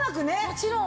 もちろん。